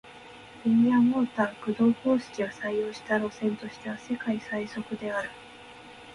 リニアモーター駆動方式を採用した路線としては世界最速である